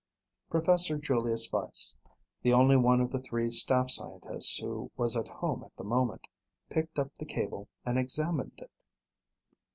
Professor Julius Weiss, the only one of the three staff scientists who was at home at the moment, picked up the cable and examined it.